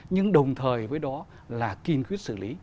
nhưng đồng thời với đó là kiên quyết xử lý